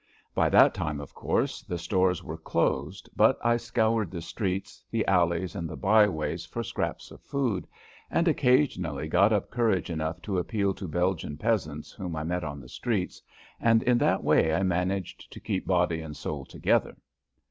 By that time, of course, the stores were closed, but I scoured the streets, the alleys, and the byways for scraps of food, and occasionally got up courage enough to appeal to Belgian peasants whom I met on the streets, and in that way I managed to keep body and soul together.